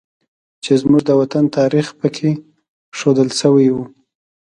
چې زموږ د وطن تاریخ پکې ښودل شوی و